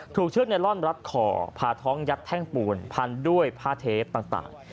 เชือกไนลอนรัดคอพาท้องยัดแท่งปูนพันด้วยผ้าเทปต่าง